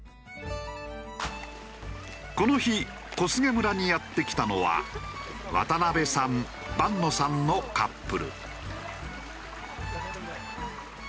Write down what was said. この日小菅村にやって来たのは渡辺さん坂野さんのカップル。